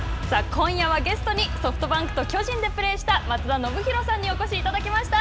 今夜はゲストに、ソフトバンクと巨人でプレーした、松田宣浩さんにお越しいただきました。